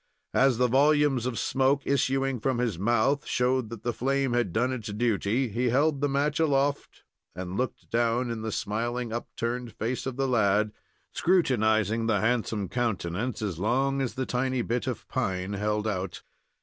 As the volumes of smoke issuing from his mouth showed that the flame had done its duty, he held the match aloft, and looked down in the smiling, upturned face of the lad, scrutinizing the handsome countenance, as long as the tiny bit of pine held out.